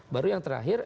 baru yang terakhir